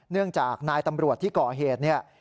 เนื่องจากนายตำรวจที่ก่อเหตุเนี่ย